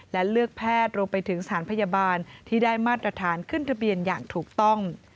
และเลือกแพทย์รวมไปถึงสถานพยาบาลที่ได้มาตรฐานขึ้นทะเบียนอย่างถูกต้อง